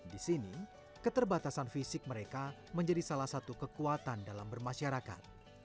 di sini keterbatasan fisik mereka menjadi salah satu kekuatan dalam bermasyarakat